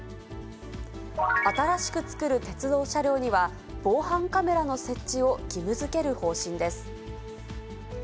新しく造る鉄道車両には、防犯カメラの設置を義務づける方針です。